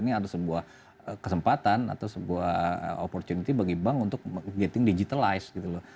ini ada sebuah kesempatan atau sebuah opportunity bagi bank untuk gatting digitalized gitu loh